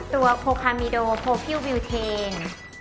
ตัวโพคามีโดโพพิววิลเทน